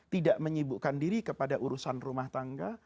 tidak menyibukkan diri kepada urusan rumah tangga